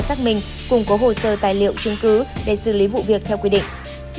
xác minh củng cố hồ sơ tài liệu chứng cứ để xử lý vụ việc theo quy định